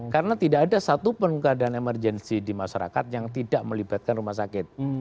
karena tidak ada satu keadaan emergensi di masyarakat yang tidak melibatkan rumah sakit